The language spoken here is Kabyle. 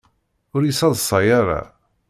Ur yi-ssaḍsay ara!